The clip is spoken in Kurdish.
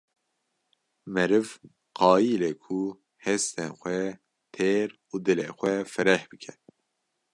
meriv qayile ku hestên xwe têr û dilê xwe fireh bike.